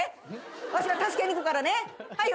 わしが助けに行くからね。